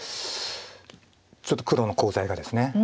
ちょっと黒のコウ材がですね